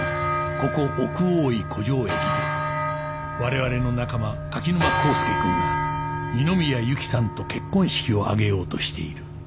ここ奥大井湖上駅で我々の仲間柿沼浩輔くんが二宮ゆきさんと結婚式を挙げようとしている